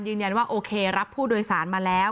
ยืนยันว่าโอเครับผู้โดยสารมาแล้ว